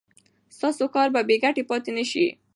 ستاسو کار به بې ګټې پاتې نشي.